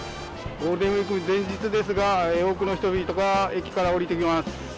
ゴールデンウィーク前日ですが、多くの人々が駅から降りてきます。